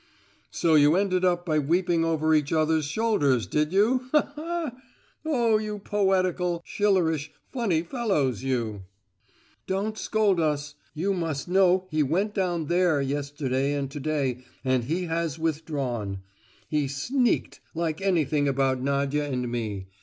"So you ended up by weeping over each others shoulders, did you? Ha ha ha! Oh, you poetical, Schiller ish, funny fellows, you!" "Don't scold us. You must know he went down there yesterday and to day, and he has withdrawn. He 'sneaked' like anything about Nadia and me.